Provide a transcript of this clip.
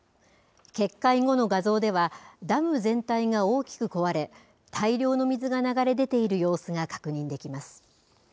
決壊後の画像では、ダム全体が大きく壊れ、大量の水が流れ出ている様子が確認できます。